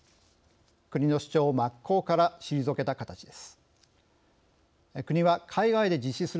国の主張を真っ向から退けた形です。